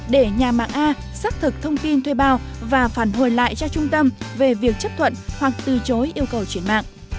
để nhà mạng a xác thực thông tin thuê bao và phản hồi lại cho trung tâm về việc chấp thuận hoặc từ chối yêu cầu chuyển mạng